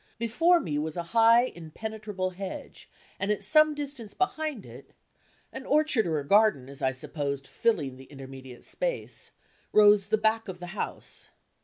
Before me was a high impenetrable hedge; and at some distance behind it an orchard or a garden, as I supposed, filling the intermediate space rose the back of the house.